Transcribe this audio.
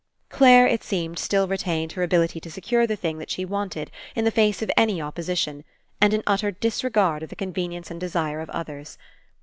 Clare, It seemed, still retained her abil ity to secure the thing that she wanted in the face of any opposition, and in utter disregard of the convenience and desire of others.